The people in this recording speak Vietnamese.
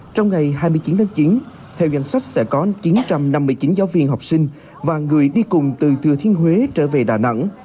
trong ngày hai mươi chín tháng chín theo danh sách sẽ có chín trăm năm mươi chín giáo viên học sinh và người đi cùng từ thừa thiên huế trở về đà nẵng